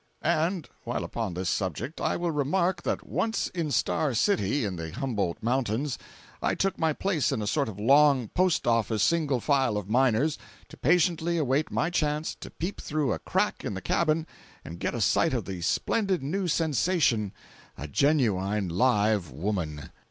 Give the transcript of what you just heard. And while upon this subject I will remark that once in Star City, in the Humboldt Mountains, I took my place in a sort of long, post office single file of miners, to patiently await my chance to peep through a crack in the cabin and get a sight of the splendid new sensation—a genuine, live Woman!